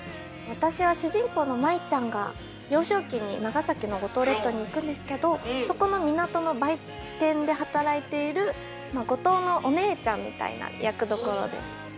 私は主人公の舞ちゃんが幼少期に長崎の五島列島に行くんですけどそこの港の売店で働いているまあ五島のお姉ちゃんみたいな役どころです。